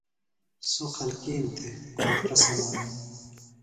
سوۡ خلکیم تھےۡ گھوݜٹہ سمِیانوۡ۔